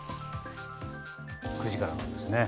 ９時からなんですね。